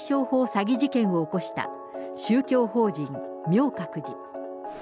詐欺事件を起こした、宗教法人明覚寺。